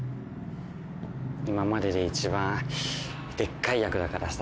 今までで一番でっかい役だからさ。